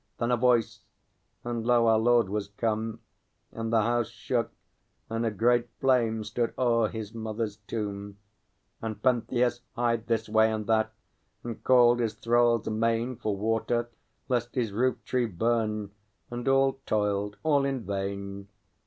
Then a Voice; and lo, our Lord was come, And the house shook, and a great flame stood o'er his mother's tomb. And Pentheus hied this way and that, and called his thralls amain For water, lest his roof tree burn; and all toiled, all in vain.